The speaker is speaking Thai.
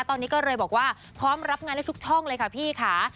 ตอนนี้ก็เลยบอกว่าพร้อมรับงานได้ทุกช่องเลยค่ะพี่ค่ะ